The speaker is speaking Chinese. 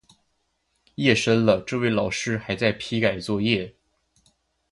夜深了，这位老师还在批改作业